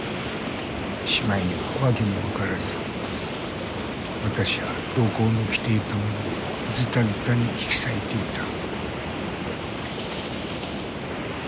しまいには訳も分からず私は土工の着ていたものをズタズタに引き裂いていた。